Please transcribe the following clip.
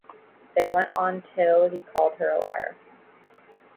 They went on till he called her a liar.